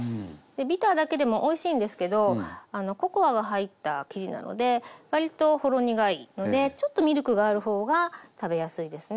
ビターだけでもおいしいんですけどココアが入った生地なので割とほろ苦いのでちょっとミルクがある方が食べやすいですね。